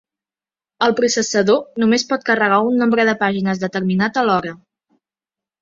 El processador només pot carregar un nombre de pàgines determinat alhora.